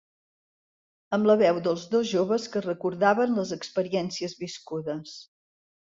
Amb la veu dels dos joves que recordaven les experiències viscudes.